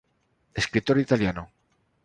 Escritor italiano.